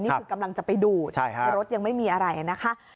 กำลังจะไปดูดรถยังไม่มีอะไรนะคะ